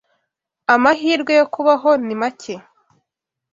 Amahirwe yo kubaho ni make.